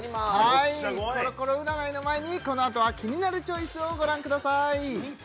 はいコロコロ占いの前にこのあとは「キニナルチョイス」をご覧ください